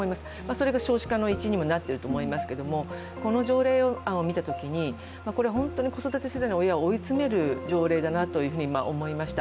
それが少子化の一因にもなっていると思いますけど、この条例案を見たときに本当に子育て世代の親を追い詰める条例だなと思いました。